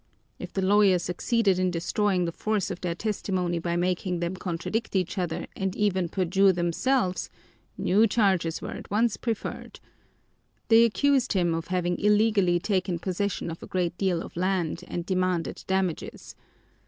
If the lawyer succeeded in destroying the force of their testimony by making them contradict each other and even perjure themselves, new charges were at once preferred. They accused him of having illegally taken possession of a great deal of land and demanded damages.